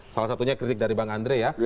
salah satunya kritik dari bang andre ya